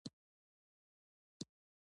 پارکونه او باغونه د ښاري ژوند کیفیت لوړوي.